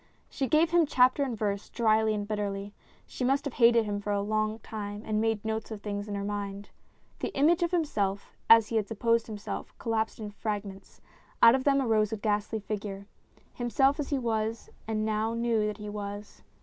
She gave him chapter and verse, drily and bitterly she must have hated him for a long time and made notes of things in her mind. The image of himself as he had supposed himself, collapsed in fragments ; out of them arose a ghastly figure himself as he was and now knew that he was.